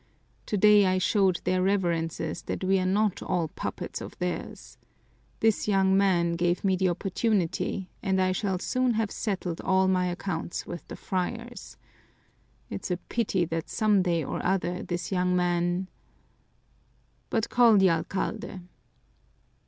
Today I showed their Reverences that we are not all puppets of theirs. This young man gave me the opportunity and I shall soon have settled all my accounts with the friars. It's a pity that some day or other this young man But call the alcalde."